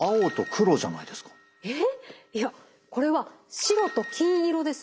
えっいやこれは白と金色ですよ。